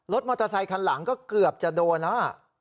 มอเตอร์ไซคันหลังก็เกือบจะโดนแล้ว